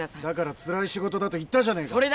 だからつらい仕事だと言ったじゃないか。